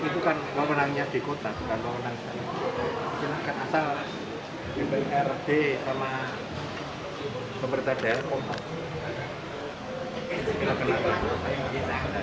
itu kan pemenangnya di kota silahkan asal dprd sama pemerintah dlk